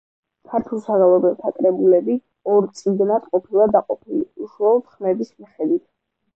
ქართულ საგალობელთა კრებულები ორ წიგნად ყოფილა დაყოფილი უშუალოდ ხმების მიხედვით.